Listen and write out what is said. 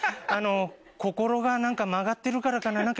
あの心が曲がってるからかな